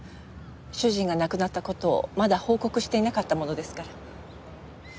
主人が亡くなった事をまだ報告していなかったものですから。